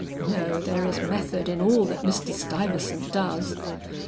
"No; there is method in all that Mr. Stuyvesant does.